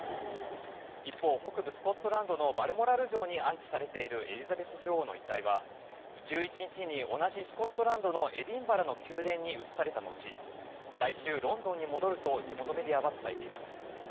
一方、北部スコットランドのバルモラル城に安置されているエリザベス女王の遺体は１１日に同じスコットランドのエディンバラの宮殿に移された後来週、ロンドンに戻ると地元メディアは伝えています。